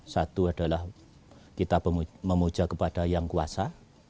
satu adalah kita memuja kepada yang kuasa